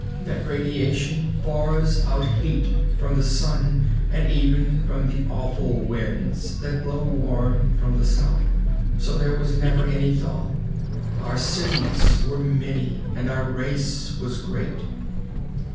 That radiation bars out heat, from the Sun, and even from the awful winds that blow warm from the south. So there was never any thaw. Our cities were many, and our race was great.